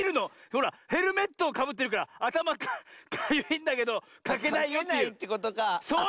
ほらヘルメットをかぶってるからあたまかゆいんだけどかけないよっていう。